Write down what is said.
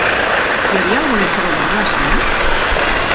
Hi havia algun ésser humà, a l'escena?